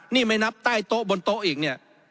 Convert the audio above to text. นี่ไม่นับใต้โต๊ะบนโต๊ะอีกเนี่ย